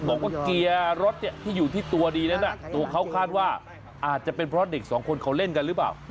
บอกว่าเกียร์รถที่อยู่ที่ตัวดีนั้นตัวเขาคาดว่าอาจจะเป็นเพราะเด็กสองคนเขาเล่นกันหรือเปล่า